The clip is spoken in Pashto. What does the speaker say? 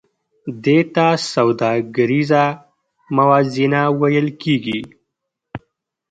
دې ته سوداګریزه موازنه ویل کېږي